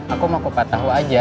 aku mau kupat tahu aja